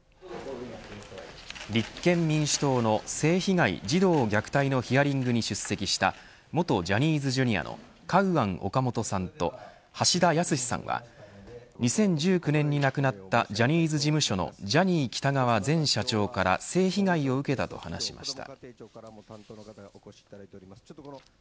立憲民主党の性被害・児童虐待のヒアリングに出席した元ジャニーズＪｒ．のカウアン・オカモトさんと橋田康さんは２０１９年に亡くなったジャニーズ事務所のジャニー喜多川前社長から性被害を受けたと話しました。